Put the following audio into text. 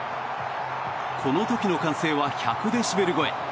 この時の歓声は１００デシベル超え。